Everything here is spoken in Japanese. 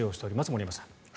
森山さん。